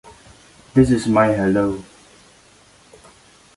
This is my hello.